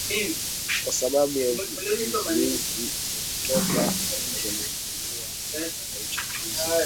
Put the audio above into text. kwa sababu ya vizuizi vya kutoka nje na kupungua kwa uchafuzi